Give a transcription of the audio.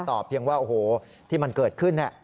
ตอบเพียงว่าโอ้โหที่มันเกิดขึ้นเนี่ย